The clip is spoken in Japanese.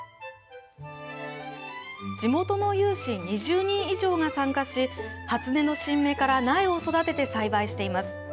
地元の有志２０人以上が参加し、初音の新芽から苗を育てて栽培しています。